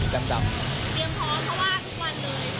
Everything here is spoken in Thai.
เตรียมพร้อมเพราะว่าทุกวันเลย